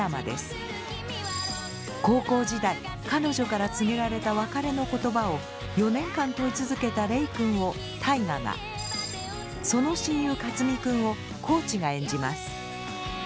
高校時代彼女から告げられた別れの言葉を４年間問い続けたレイくんを大我がその親友カツミくんを地が演じます。